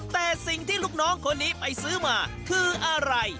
แต่สิ่งที่ลูกน้องคนนี้ไปซื้อมาคืออะไร